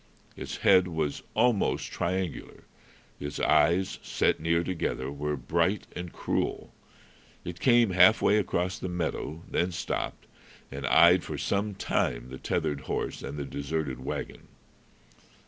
Its head was almost triangular; its eyes, set near together, were bright and cruel. It came half way across the meadow, then stopped, and eyed for some time the tethered horse and the deserted wagon.